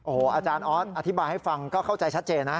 โอ้โหอาจารย์ออสอธิบายให้ฟังก็เข้าใจชัดเจนนะ